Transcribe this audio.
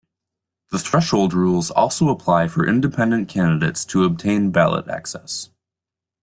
The threshold rules also apply for independent candidates to obtain ballot access.